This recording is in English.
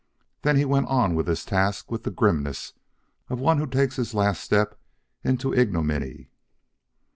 Then he went on with his task with the grimness of one who takes his last step into ignominy.